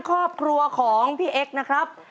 ครอบครัวของพี่เอ็กซ์นะครับ